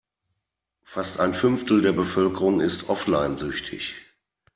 Fast ein Fünftel der Bevölkerung ist offline-süchtig.